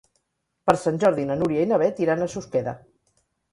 Per Sant Jordi na Núria i na Beth iran a Susqueda.